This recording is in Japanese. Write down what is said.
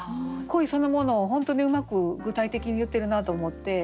恋そのものを本当にうまく具体的に言ってるなと思って。